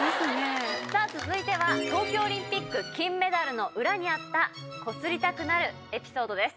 さぁ続いては東京オリンピック金メダルの裏にあったコスりたくなるエピソードです。